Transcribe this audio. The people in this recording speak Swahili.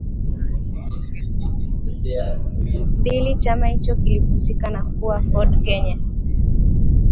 mbili chama hicho kilivunjika na kuwa Ford Kenya